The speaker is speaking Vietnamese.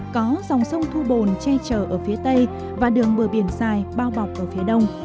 có dòng sông thu bồn che trở ở phía tây và đường bờ biển dài bao bọc ở phía đông